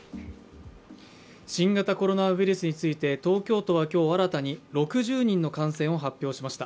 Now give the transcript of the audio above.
新型コロナウイルスについて東京都は今日、新たに６０人の感染を発表しました。